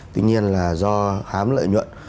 tuy nhiên là do hám lợi nhuận